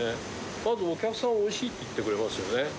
まずお客さん、おいしいって言ってくれますよね。